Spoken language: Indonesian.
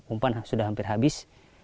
umpan sudah hampir habis